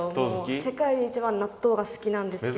世界で一番納豆が好きなんですけど。